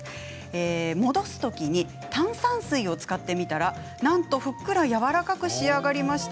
戻す時に炭酸水を使ってみたらなんと、ふっくらやわらかく仕上がりました。